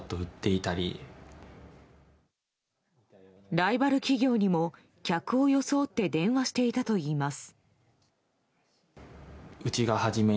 ライバル企業にも、客を装って電話していたといいます。